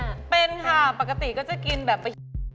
ทานค่ะค่ะค่ะค่ะค่ะค่ะค่ะค่ะค่ะค่ะค่ะ